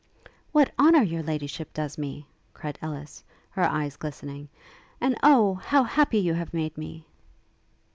'What honour Your Ladyship does me!' cried Ellis, her eyes glistening: 'and Oh! how happy you have made me!'